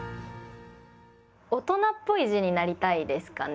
大人っぽい字になりたいですかね。